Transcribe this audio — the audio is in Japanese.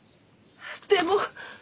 でも。